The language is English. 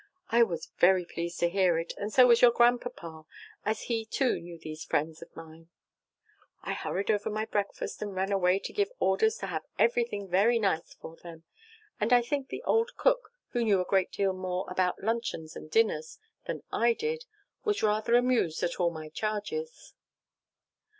I was very pleased to hear it, and so was your Grandpapa, as he too knew these friends of mine. "I hurried over my breakfast, and ran away to give orders to have everything very nice for them, and I think the old cook, who knew a great deal more about luncheons and dinners than I did, was rather amused at all my charges.